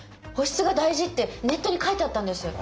「保湿が大事」ってネットに書いてあったんです。